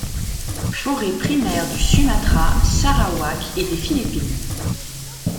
Forêts primaires du Sumatra, Sarawak et des Philippines.